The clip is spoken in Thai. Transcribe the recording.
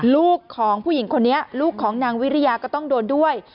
ลูกของผู้หญิงคนนี้ลูกของนางวิริยาก็ต้องโดนด้วย